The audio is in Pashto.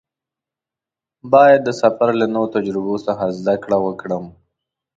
باید د سفر له نویو تجربو څخه زده کړه وکړم.